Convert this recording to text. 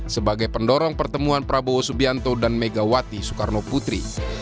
sebagai pendorong pertemuan prabowo subianto dan megawati soekarno putri